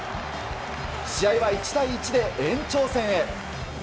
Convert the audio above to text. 試合は１対１で延長戦へ。